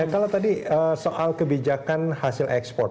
kalau tadi soal kebijakan hasil ekspor